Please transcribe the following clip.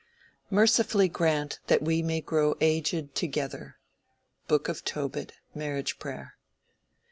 "Mercifully grant that we may grow aged together." —BOOK OF TOBIT: Marriage Prayer.